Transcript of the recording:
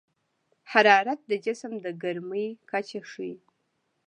حرارت د جسم د ګرمۍ کچه ښيي.